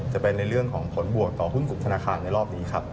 จะเป็นในเรื่องของผลบวกต่อหุ้นกลุ่มธนาคารในรอบนี้ครับ